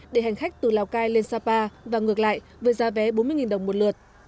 để hành khách từ lào cai lên sapa và ngược lại với giá vé bốn mươi đồng một lượt